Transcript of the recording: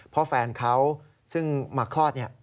เพราะแฟนเขาซึ่งมาคลอด